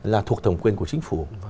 là thuộc thẩm quyền của chính phủ